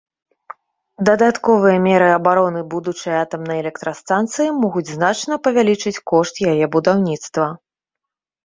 Дадатковыя меры абароны будучай атамнай электрастанцыі могуць значна павялічыць кошт яе будаўніцтва.